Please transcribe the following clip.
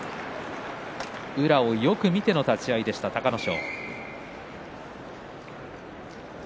宇良をよく見ての立ち合いでした隆の勝。